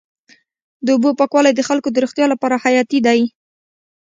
د اوبو پاکوالی د خلکو د روغتیا لپاره حیاتي دی.